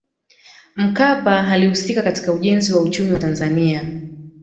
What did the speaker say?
makapa alihusika katika ujenzi wa uchumi wa tanzania